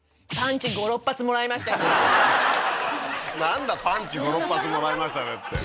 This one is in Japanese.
何だ「パンチ５６発もらいました」だって。